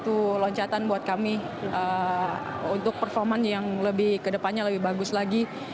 itu loncatan buat kami untuk performa yang lebih ke depannya lebih bagus lagi